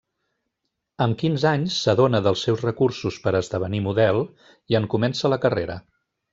Amb quinze anys s'adona dels seus recursos per esdevenir model, i en comença la carrera.